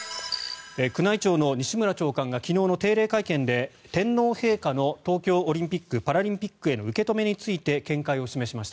宮内庁の西村長官が昨日の定例会見で天皇陛下の東京オリンピック・パラリンピックへの受け止めについて見解を示しました。